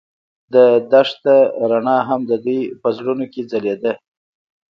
د دښته رڼا هم د دوی په زړونو کې ځلېده.